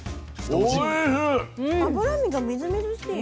脂身がみずみずしい。